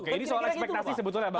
oke ini soal ekspektasi sebetulnya bang